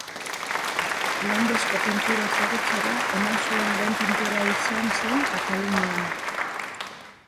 Flandesko pintura ezagutzera eman zuen lehen pintorea izan zen Katalunian.